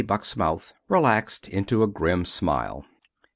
Buck's mouth relaxed into a grim smile.